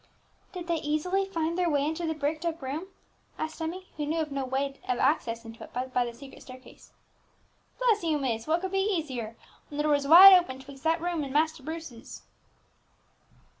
"Did they easily find their way into the bricked up room?" asked Emmie, who knew of no way of access into it but by the secret staircase. "Bless you, miss, what could be easier, when the door was wide open 'twixt that room and Master Bruce's!"